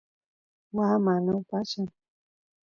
waa mana upallan